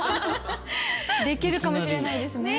できるかもしれないですね。